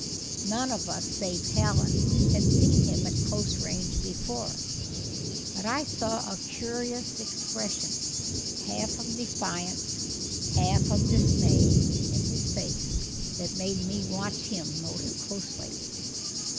None of us, save Hallen, had seen him at close range before; but I saw a curious expression, half of defiance, half of dismay, in his face, that made me watch him most closely.